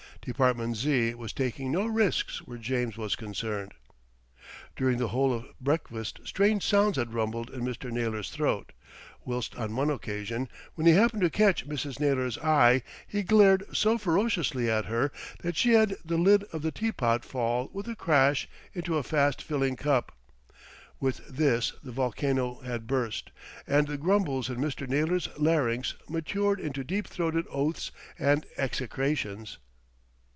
Department Z. was taking no risks where James was concerned. During the whole of breakfast strange sounds had rumbled in Mr. Naylor's throat, whilst on one occasion, when he happened to catch Mrs. Naylor's eye, he glared so ferociously at her that she let the lid of the teapot fall with a crash into a fast filling cup. With this the volcano had burst, and the grumbles in Mr. Naylor's larynx matured into deep throated oaths and execrations.